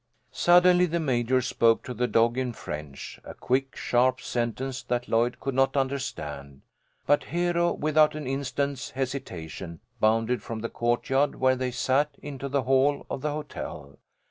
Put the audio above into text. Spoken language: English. Suddenly the Major spoke to the dog in French, a quick, sharp sentence that Lloyd could not understand. But Hero, without an instant's hesitation, bounded from the courtyard, where they sat, into the hall of the hotel.